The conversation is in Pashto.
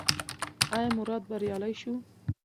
ایا مراد بریالی شو؟